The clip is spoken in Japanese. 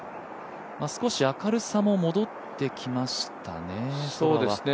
少し明るさも戻ってきましたね、空は。